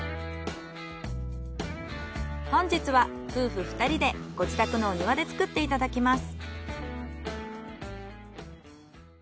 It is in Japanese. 本日は夫婦２人でご自宅のお庭で作っていただきます。